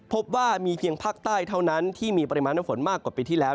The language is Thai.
พบว่ามีเพียงภาคใต้เท่านั้นที่มีปริมาณน้ำฝนมากกว่าปีที่แล้ว